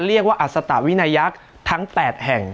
เรียกว่าอัศตะวินัยักษ์ทั้ง๘แห่ง